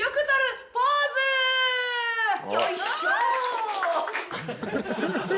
よいしょ！